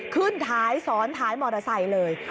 ขึ้นท้ายซ้อนท้ายมอเตอร์ไซค์เลย